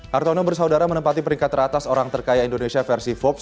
hartono bersaudara menempati peringkat teratas orang terkaya indonesia versi forbes